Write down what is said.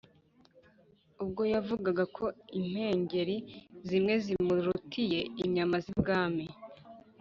ubwo yavugaga ko impengeri z'iwe zimurutiye inyama z' ibwami.